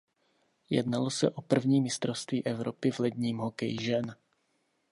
Jednalo se o první mistrovství Evropy v ledním hokeji žen.